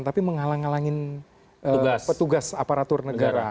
tapi menghalang halangin petugas aparatur negara